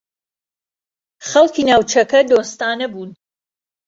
خەڵکی ناوچەکە دۆستانە بوون.